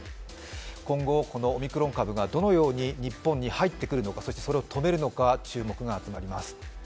今後オミクロン株がどのように日本に入ってくるのか、そして、それを止めるのか注目が集まります。